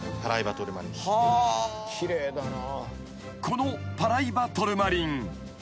［このパライバトルマリン］